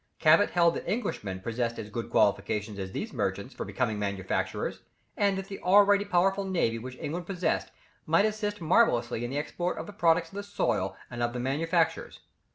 Cabot held that Englishmen possessed as good qualifications as these merchants for becoming manufacturers, and that the already powerful navy which England possessed might assist marvellously in the export of the products of the soil and of the manufactures.